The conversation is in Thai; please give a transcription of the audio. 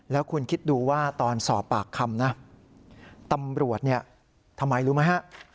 แล้วคุณคิดดูว่าตอนสอบปากคำนะตำรวจเนี่ยทำไมรู้ไหมฮะ